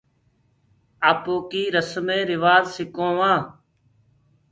آپوڪيٚ رَسمين روآجَ سِڪووآنٚ۔